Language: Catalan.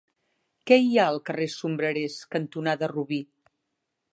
Què hi ha al carrer Sombrerers cantonada Robí?